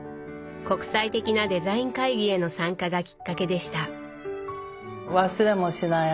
国際的なデザイン会議への参加がきっかけでした。